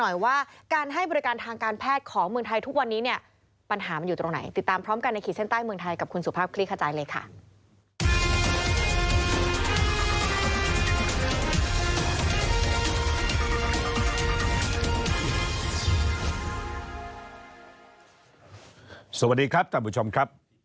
สวัสดีครับท่านผู้ชมครับ